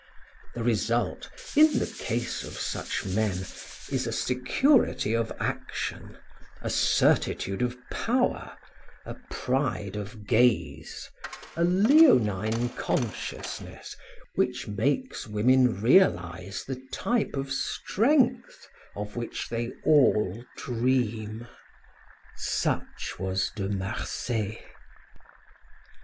The result, in the case of such men, is a security of action, a certitude of power, a pride of gaze, a leonine consciousness, which makes women realize the type of strength of which they all dream. Such was De Marsay.